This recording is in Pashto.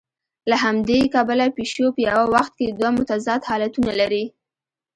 له همدې کبله پیشو په یوه وخت کې دوه متضاد حالتونه لري.